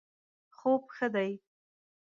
خوب ښه دی